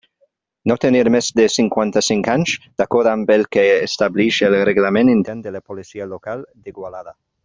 No tenir més de cinquanta-cinc anys, d'acord amb el que estableix el reglament Intern de la Policia Local d'Igualada.